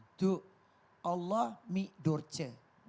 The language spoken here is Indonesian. itu allah mi durce